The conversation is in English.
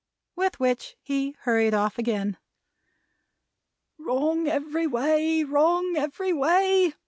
With which, he hurried off again. "Wrong every way. Wrong every way!"